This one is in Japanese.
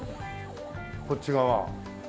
こっち側。